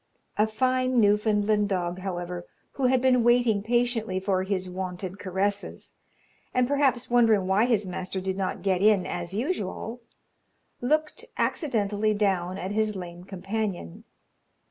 A fine Newfoundland dog, however, who had been waiting patiently for his wonted caresses, and perhaps wondering why his master did not get in as usual, looked accidentally down at his lame companion.